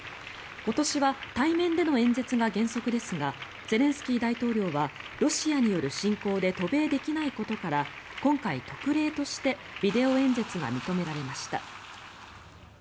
今年は対面での演説が原則ですがゼレンスキー大統領はロシアによる侵攻で渡米できないことから今回、特例としてビデオ演説が認められました。